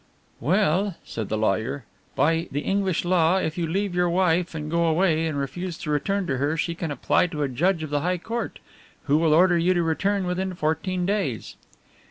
"Well," said the lawyer, "by the English law if you leave your wife and go away, and refuse to return to her she can apply to a judge of the High Court, who will order you to return within fourteen days."